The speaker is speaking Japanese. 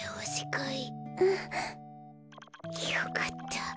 うん。よかった。